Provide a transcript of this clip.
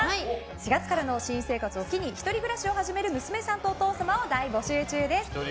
４月からの新生活を機に１人暮らしを始める娘さんとお父様を大募集中です。